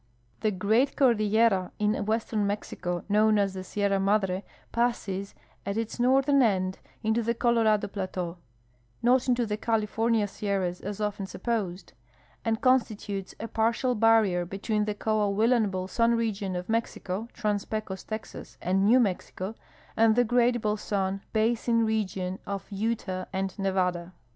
The great cordillera in Ave.stern Mexico known as the Sierra Madre passes at its northern end into the Colorado plateau (not into the California sierras, as often supposed), and constitutes a partial barrier between the Coahuilan bolson region of Mexico, Trans Pecos Texas, and New Mexico, and the great bolson (basin) region of Utah and Nevada.